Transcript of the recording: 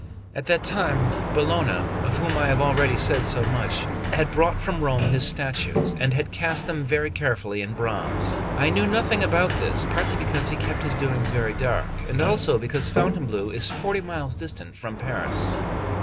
At that time, Bologna, of whom I have already said so much, had brought from Rome his statues, and had cast them very carefully in bronze. I knew nothing about this, partly because he kept his doings very dark, and also because Fontainebleau is forty miles distant from Paris.